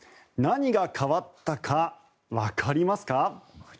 何が変わったかわかりますか？